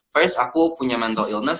first aku punya mental illness